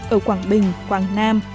ở quảng bình quảng nam